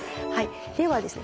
ではですね